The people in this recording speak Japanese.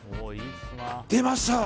出ました！